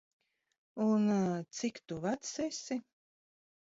Un, cik tu vecs esi?